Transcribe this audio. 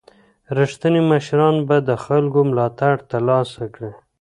رښتیني مشران به د خلګو ملاتړ ترلاسه کړي.